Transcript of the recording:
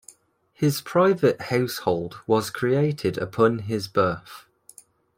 His private household was created upon his birth.